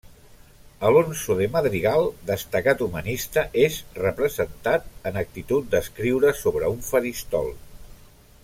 Alonso de Madrigal, destacat humanista, és representat en actitud d'escriure sobre un faristol.